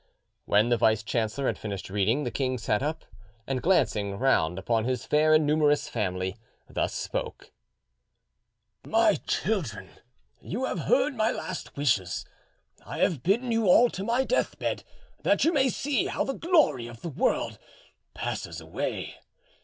When the vice chancellor had finished reading, the king sat up, and glancing round upon his fair and numerous family, thus spoke: "My children, you have heard my last wishes. I have bidden you all to my deathbed, that you may see how the glory of the world passes away.